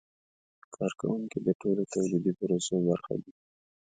کارکوونکي د ټولو تولیدي پروسو برخه دي.